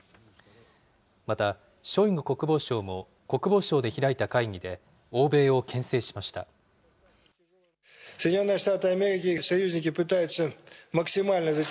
また、ショイグ国防相も、国防省で開いた会議で、欧米をけん制しました。